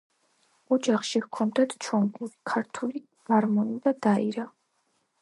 ოჯახში ჰქონდათ ჩონგური, ქართული გარმონი და დაირა.